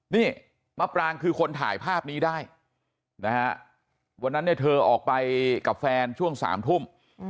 นี่มะปรางคือคนถ่ายภาพนี้ได้นะฮะวันนั้นเนี่ยเธอออกไปกับแฟนช่วง๓ทุ่ม